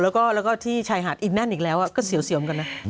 แล้วก็ที่ชายหาดอีกแน่นอีกแล้วก็เสียวเหมือนกันนะ